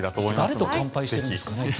誰と乾杯してるんですかね。